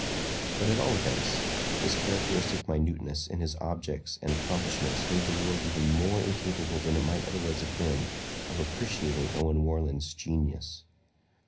But, at all events, this characteristic minuteness in his objects and accomplishments made the world even more incapable than it might otherwise have been of appreciating Owen Warland's genius.